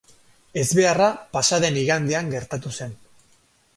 Ezbeharra pasa den igandean gertatu zen.